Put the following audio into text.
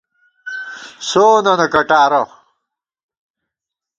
سوننہ کٹارہ